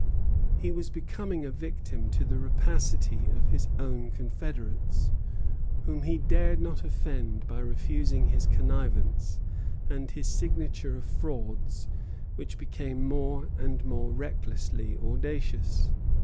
He was becoming a victim to the rapacity of his own confederates, whom he dared not offend by refusing his connivance and his signature of frauds which became more and more recklessly audacious.